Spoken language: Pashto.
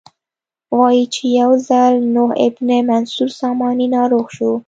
وایي چې یو ځل نوح بن منصور ساماني ناروغ شو.